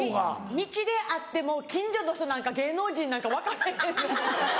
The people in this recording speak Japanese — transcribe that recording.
道で会っても近所の人なのか芸能人なのか分からへんの。